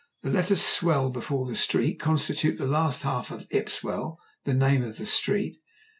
The letters 'swell' before 'street' constitute the last half of Ipswell, the name of the street.